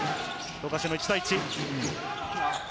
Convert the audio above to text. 富樫の１対１。